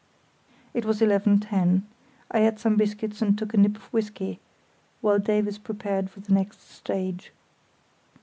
It was 11.10. I ate some biscuits and took a nip of whisky while Davies prepared for the next stage.